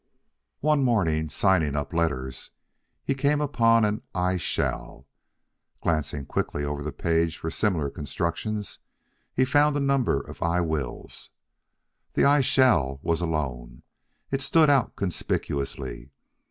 One morning, signing up letters, he came upon an I shall. Glancing quickly over the page for similar constructions, he found a number of I wills. The I shall was alone. It stood out conspicuously.